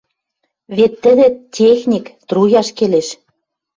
Вет тӹдӹ — техник, труяш келеш.